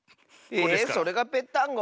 えそれが「ぺっタンゴ」？